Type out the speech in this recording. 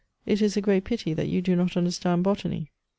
It is a great pity that you do not understand botany."